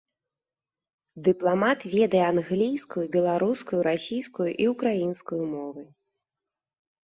Дыпламат ведае англійскую, беларускую, расійскую і ўкраінскую мовы.